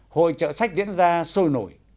hội chợ sách diễn ra sôi nổi